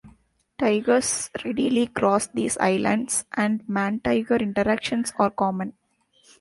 Tigers readily cross these islands and man-tiger interactions are common.